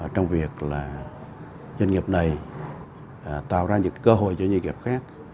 trong việc doanh nghiệp này tạo ra những cơ hội cho doanh nghiệp khác